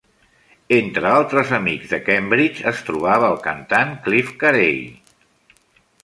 Entre altres amics de Cambridge es trobava el cantant Clive Carei.